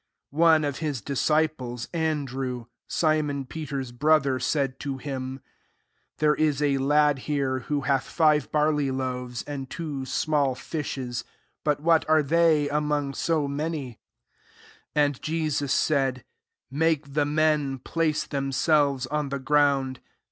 8 One of his disciples, An drew, Simon Peter's brother, said to him, 9 ^^ There is a lad here, who hath five barley loaves, and two small fishes : but what are they among so many ?'* 10 [^Jnd] Jesus said, Make the men place them selves on the ground."